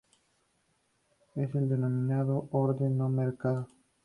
Es el denominado "orden no marcado".